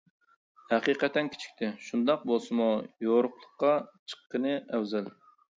ھەقىقەتەن كېچىكتى، شۇنداق بولسىمۇ، يورۇقلۇققا چىققىنى ئەۋزەل.